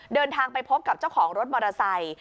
เดินทางไปพบกับเจ้าของรถมอเตอร์ไซค์